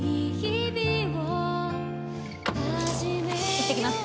行ってきます。